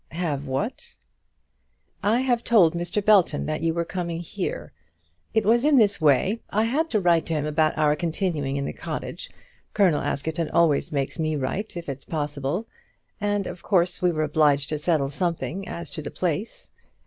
"Have what?" "I have told Mr. Belton that you were coming here. It was in this way. I had to write to him about our continuing in the cottage. Colonel Askerton always makes me write if it's possible, and of course we were obliged to settle something as to the place."